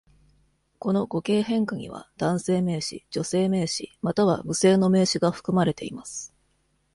この語形変化には男性名詞、女性名詞、または無性の名詞が含まれています。